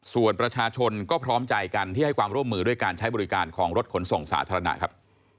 ส่วนประชาชนก็พร้อมใจกันที่ให้ความร่วมมือด้วยการใช้บริการของรถขนส่งสาธารณะครับ